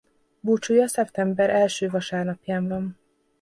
Búcsúja szeptember első vasárnapján van.